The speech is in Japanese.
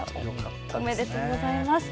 おめでとうございます。